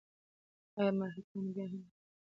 ایا مرهټیانو بیا په هند واکمني وکړه؟